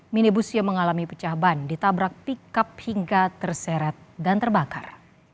minibus yang mengalami pecah ban ditabrak pickup hingga terseret dan terbakar